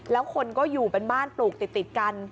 แล้วคนก็อยู่เป็นบ้านปลูกติดกัน